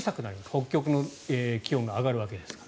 北極の気温が上がるわけですから。